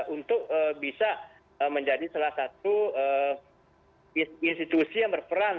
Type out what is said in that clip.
untuk bisa menjadi salah satu institusi yang berperan